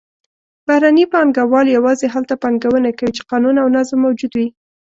بهرني پانګهوال یوازې هلته پانګونه کوي چې قانون او نظم موجود وي.